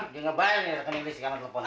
dia gak bayar nih rekening nisrik sama teleponnya